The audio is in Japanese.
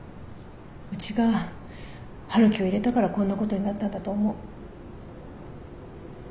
うちが陽樹を入れたからこんなことになったんだと思う。